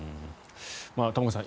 玉川さん